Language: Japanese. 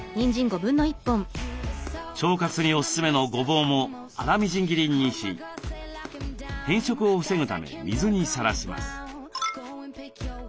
腸活におすすめのごぼうも粗みじん切りにし変色を防ぐため水にさらします。